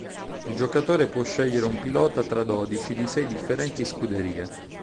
Il giocatore può scegliere un pilota tra dodici di sei differenti scuderie.